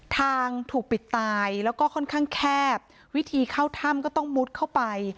ทางถูกปิดตายแล้วก็ค่อนข้างแคบวิธีเข้าถ้ำก็ต้องมุดเข้าไป